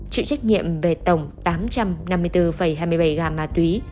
chịu trách nhiệm về tổng tám trăm năm mươi bốn hai mươi bảy gam ma túy